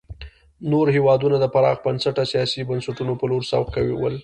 نور هېوادونه د پراخ بنسټه سیاسي بنسټونو په لور سوق کول.